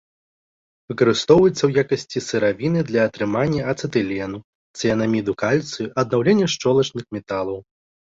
Выкарыстоўваецца ў якасці сыравіны для атрымання ацэтылену, цыянаміду кальцыю, аднаўлення шчолачных металаў.